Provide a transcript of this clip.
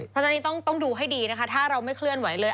เพราะฉะนั้นต้องดูให้ดีนะคะถ้าเราไม่เคลื่อนไหวเลย